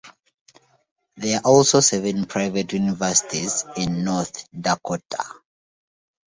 There are also seven private universities in North Dakota.